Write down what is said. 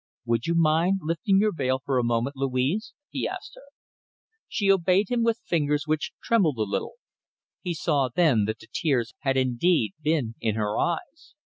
"Would you mind lifting your veil for a moment, Louise?" he asked her. She obeyed him with fingers which trembled a little. He saw then that the tears had indeed been in her eyes.